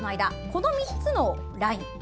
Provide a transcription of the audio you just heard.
この３つのライン。